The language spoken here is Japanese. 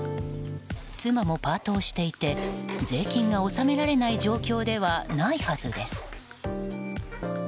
妻もパートをしていて税金が納められない状況ではないはずです。